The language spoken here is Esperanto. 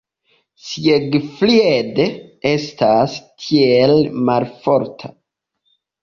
Siegfried estas tiel malforta.